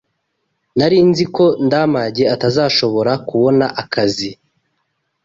Nari nzi ko Ndamage atazashobora kubona akazi.